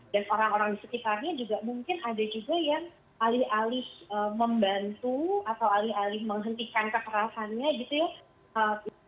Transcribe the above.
dan orang orang di sekitarnya juga mungkin ada juga yang alih alih membantu atau alih alih menghentikan kekerasannya gitu ya